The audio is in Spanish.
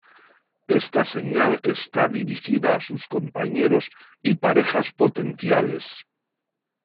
Esta señal está dirigida a sus compañeros y parejas potenciales.